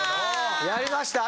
やりました。